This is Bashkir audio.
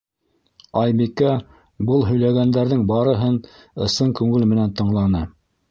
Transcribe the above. Айбикә был һөйләгәндәрҙең барыһын ысын күңел менән тыңланы.